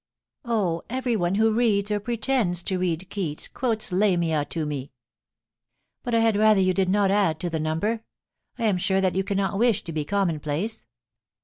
*0h, everyone who reads, or pretends to read Keats, quotes " Lamia " to me. But I had rather you did not add to the number. I am sure that you cannot wish to be commonplace.